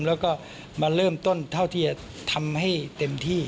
แล้วก็มาเริ่มต้นเท่าที่จะทำให้เต็มที่